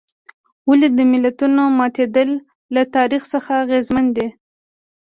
ولې د ملتونو ماتېدل له تاریخ څخه اغېزمن دي.